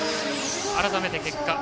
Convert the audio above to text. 改めて結果です。